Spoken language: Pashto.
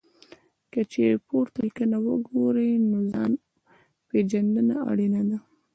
که چېرې پورته لیکنه وګورئ، نو ځان پېژندنه اړینه ده.